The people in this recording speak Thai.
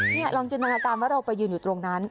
นี่ลองจินตนาการว่าเราไปยืนอยู่ตรงนั้น